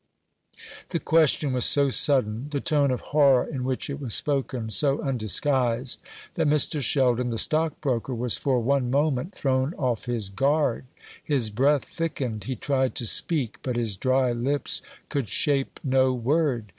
The question was so sudden, the tone of horror in which it was spoken so undisguised, that Mr. Sheldon the stockbroker was for one moment thrown off his guard. His breath thickened; he tried to speak, but his dry lips could shape no word.